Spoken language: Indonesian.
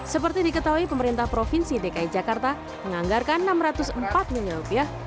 seperti diketahui pemerintah provinsi dki jakarta menganggarkan enam ratus empat miliar rupiah